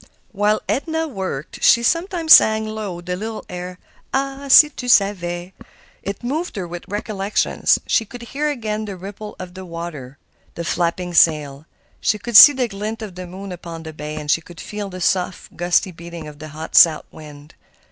While Edna worked she sometimes sang low the little air, "Ah! si tu savais!" It moved her with recollections. She could hear again the ripple of the water, the flapping sail. She could see the glint of the moon upon the bay, and could feel the soft, gusty beating of the hot south wind.